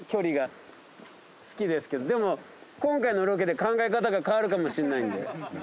でも今回のロケで考え方が変わるかもしれないんで。